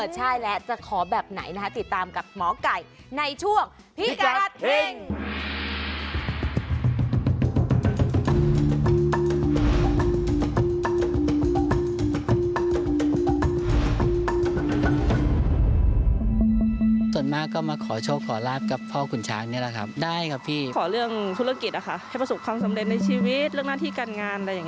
ใช่แล้วจะขอแบบไหนนะคะติดตามกับหมอไก่ในช่วงพิกัดเฮ่ง